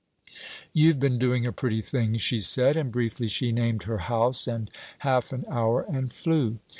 'You've been doing a pretty thing!' she said, and briefly she named her house and half an hour, and flew.